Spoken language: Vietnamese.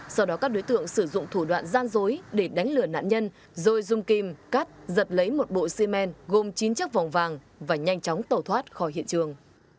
sau đó các đối tượng sử dụng thủ đoạn gian dối để đánh lửa nạn nhân rồi dùng kim cắt giật lấy một bộ xi men gồm chín chất vòng vàng và nhanh chóng tẩu thoát khỏi hiện trường